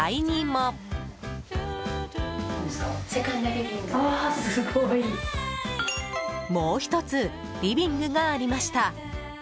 もう１つリビングがありました。